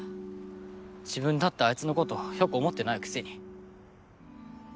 自分だってあいつのこと良く思ってないくせに。